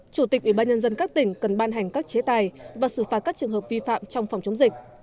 chủ tịch ủy ban nhân dân các tỉnh cần ban hành các chế tài và xử phạt các trường hợp vi phạm trong phòng chống dịch